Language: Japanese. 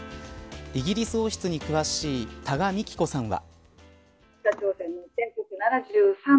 イギリス王室に詳しい多賀幹子さんは。